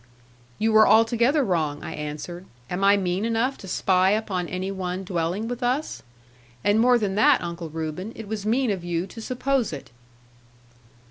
'You were altogether wrong,' I answered. 'Am I mean enough to spy upon any one dwelling with us? And more than that, Uncle Reuben, it was mean of you to suppose it.'